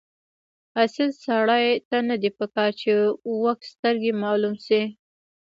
اصیل سړي ته نه دي پکار چې وږسترګی معلوم شي.